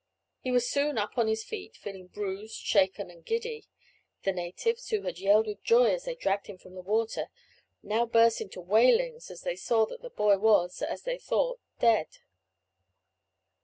He was soon up on his feet, feeling bruised, shaken, and giddy; the natives, who had yelled with joy as they dragged him from the water, now burst into wailings as they saw that the boy was, as they thought, dead.